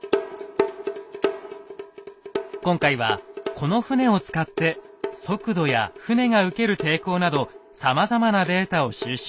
今回はこの船を使って速度や船が受ける抵抗などさまざまなデータを収集。